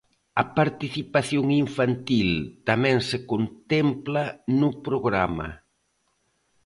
A participación infantil tamén se contempla no programa.